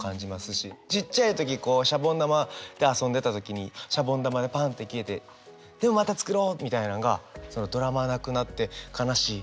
ちっちゃい時しゃぼん玉で遊んでた時にしゃぼん玉がパンッて消えてでまた作ろうみたいなんがドラマなくなって悲しい。